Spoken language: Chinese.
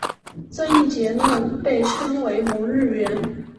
这一结论被称为蒙日圆。